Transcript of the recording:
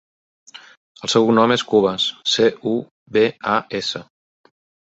El seu cognom és Cubas: ce, u, be, a, essa.